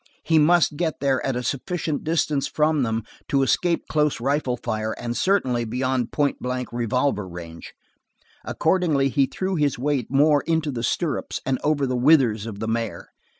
He must get there at a sufficient distance from them to escape close rifle fire, and certainly beyond point blank revolver range. Accordingly he threw his weight more into the stirrups and over the withers of the mare.